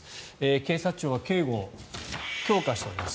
警察庁は警護を強化しております。